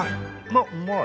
あっうまい！